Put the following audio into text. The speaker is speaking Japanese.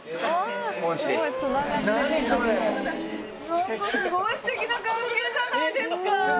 何かすごいステキな関係じゃないですか。